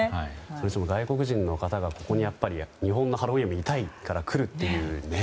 それにしても外国人の方がここに、日本のハロウィーンを見たいから来るっていうね。